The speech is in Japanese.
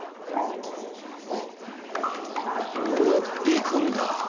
あっこうやって行くんだ。